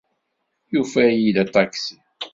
Yufa-yi-d aṭaksi.